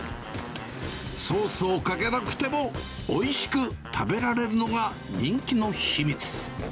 ソースをかけなくても、おいしく食べられるのが人気の秘密。